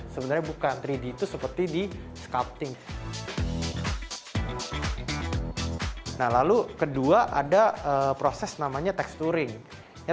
sebenarnya bukan tiga d itu seperti di sculpting nah lalu kedua ada proses namanya texturing